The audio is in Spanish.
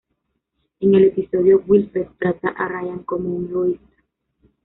En el episodio Wilfred trata a Ryan como un egoísta.